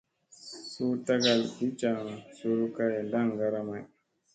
Suu tagal gi jaŋ zul kay ndaŋgara may.